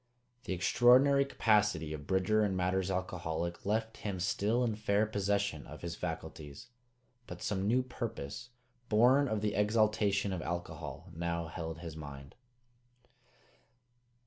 The extraordinary capacity of Bridger in matters alcoholic left him still in fair possession of his faculties; but some new purpose, born of the exaltation of alcohol, now held his mind.